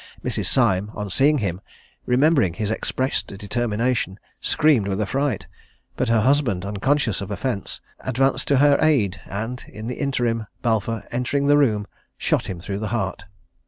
Mrs. Syme, on seeing him, remembering his expressed determination, screamed with affright; but her husband, unconscious of offence, advanced to her aid, and in the interim, Balfour entering the room, shot him through the heart.